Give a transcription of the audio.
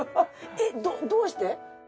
えっどうして？